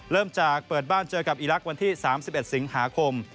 เริ่มจากเปิดบ้านเจอกับอีรักษ์วันที่๓๑สิงหาคม